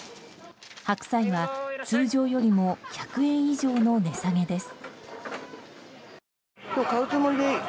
白菜が通常よりも１００円以上の値下げです。